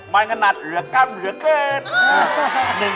มันขนาดเหลือกำเหลือเกิน